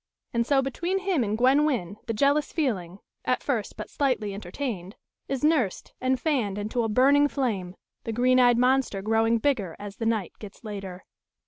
And so between him and Gwen Wynn the jealous feeling, at first but slightly entertained, is nursed and fanned into a burning flame the green eyed monster growing bigger as the night gets later.